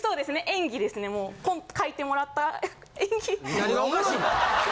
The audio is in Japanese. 演技ですねもうコント書いてもらった。